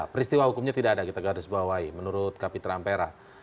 peristiwa hukumnya tidak ada kita garis bawahi menurut kapitra ampera